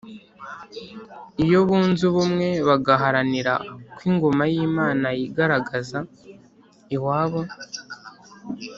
iyo bunze ubumwe bagaharanira ko ingoma y’imana yigaragaza iwabo,